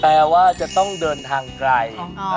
แปลว่าจะต้องเดินทางไกล